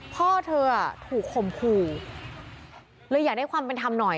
พ่อเธอถูกข่มขู่เลยอยากได้ความเป็นธรรมหน่อย